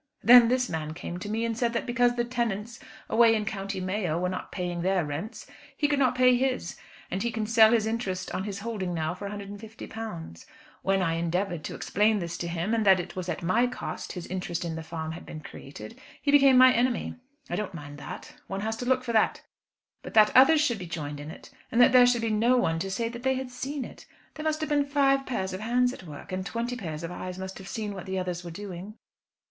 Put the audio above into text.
"Then this man came to me and said that because the tenants away in County Mayo were not paying their rents, he could not pay his. And he can sell his interest on his holding now for £150. When I endeavoured to explain this to him, and that it was at my cost his interest in the farm has been created, he became my enemy. I don't mind that; one has to look for that. But that others should be joined in it, and that there should be no one to say that they had seen it! There must have been five pairs of hands at work, and twenty pairs of eyes must have seen what the others were doing."